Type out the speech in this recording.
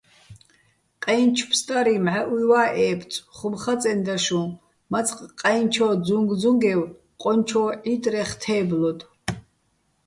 "ყაჲნჩო̆ ფსტარიჼ მჵაჸუჲვა́ ე́ბწო̆," - ხუმ ხაწენდა შუჼ, მაწყ ყაჲნჩო́ ძუნგძუნგევ ყონჩო́ ჺიტრეხ თე́ბლოდო̆.